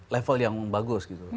level yang bagus gitu